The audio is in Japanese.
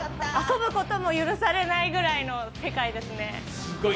遊ぶことも許されないぐらいの世界ですね。